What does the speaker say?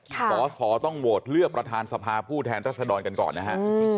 สอสอต้องโหวตเลือกประธานสภาผู้แทนรัศดรกันก่อนนะฮะ